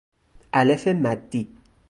الف مدی